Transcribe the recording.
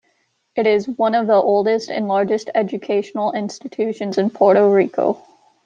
It is one of the oldest and largest educational institutions in Puerto Rico.